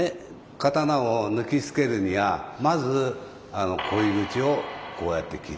刀を抜きつけるにはまず鯉口をこうやって切る。